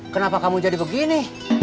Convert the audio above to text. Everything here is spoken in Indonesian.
kenapa kamu jadi begini